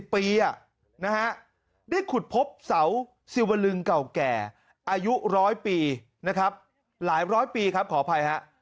ได้ขุดพบเสาสิวลึงเก่าแก่อายุ๑๐๐ปีนะครับหลายร้อยปีครับขออภัยฮะ